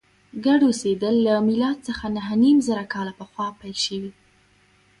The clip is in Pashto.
ګډ اوسېدل له میلاد څخه نهه نیم زره کاله پخوا پیل شوي.